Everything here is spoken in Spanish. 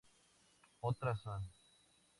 Otras son